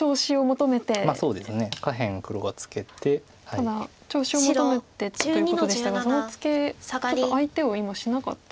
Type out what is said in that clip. ただ調子を求めてということでしたがそのツケちょっと相手を今しなかったですね。